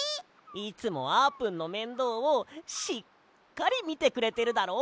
いつもあーぷんのめんどうをしっかりみてくれてるだろ？